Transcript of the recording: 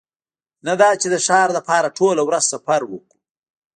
نه دا چې د ښار لپاره ټوله ورځ سفر وکړو